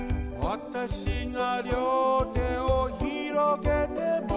「私が両手をひろげても、」